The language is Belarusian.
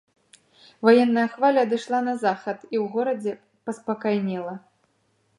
Ваенная хваля адышла на захад, і ў горадзе паспакайнела.